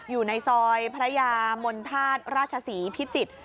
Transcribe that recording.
อยู่ในซอยพระยามนธาตุราชศรีพิจิตร